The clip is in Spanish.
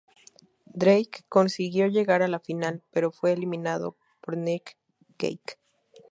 Drake consiguió llegar a la final, pero fue eliminado por Nick Gage.